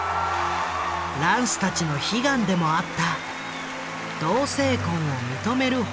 ランスたちの悲願でもあった同性婚を認める法案が可決した。